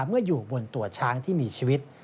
เมื่ออยู่บนตัวช้างที่มีชีวิต